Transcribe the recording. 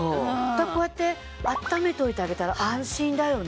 こうやってあっためておいてあげたら安心だよね。